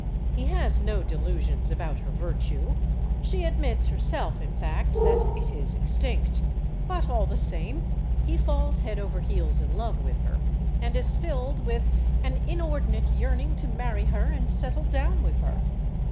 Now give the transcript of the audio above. He has no delusions about her virtue—she admits herself, in fact, that it is extinct—but all the same he falls head over heels in love with her, and is filled with an inordinate yearning to marry her and settle down with her.